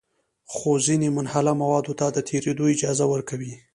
خو ځینې منحله موادو ته د تېرېدو اجازه ورکوي.